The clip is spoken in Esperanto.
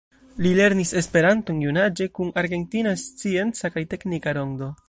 Li lernis esperanton junaĝe kun Argentina Scienca kaj Teknika Rondo.